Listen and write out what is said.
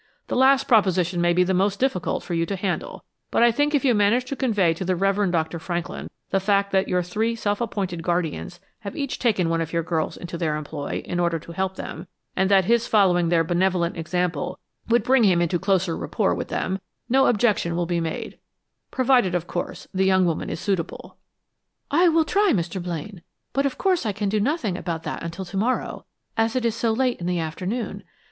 The last proposition may be the most difficult for you to handle, but I think if you manage to convey to the Reverend Dr. Franklin the fact that your three self appointed guardians have each taken one of your girls into their employ, in order to help them, and that his following their benevolent example would bring him into closer rapport with them, no objection will be made provided, of course, the young woman is suitable." "I will try, Mr. Blaine, but of course I can do nothing about that until to morrow, as it is so late in the afternoon.